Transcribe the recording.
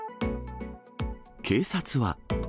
警察は。